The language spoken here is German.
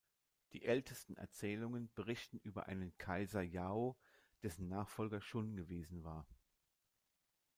Die ältesten Erzählungen berichten über einen Kaiser Yao, dessen Nachfolger Shun gewesen war.